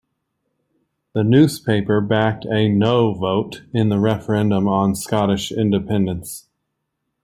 The newspaper backed a 'No' vote in the referendum on Scottish independence.